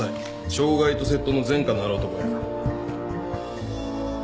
傷害と窃盗の前科がある男や。